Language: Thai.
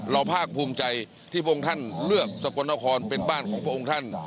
ภาคภูมิใจที่พระองค์ท่านเลือกสกลนครเป็นบ้านของพระองค์ท่าน